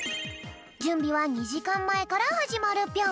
じゅんびは２じかんまえからはじまるぴょん。